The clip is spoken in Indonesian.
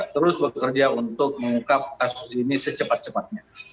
terus bekerja untuk mengungkap kasus ini secepat cepatnya